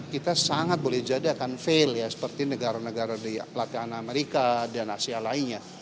kita sangat boleh jadi akan fail ya seperti negara negara di latihan amerika dan asia lainnya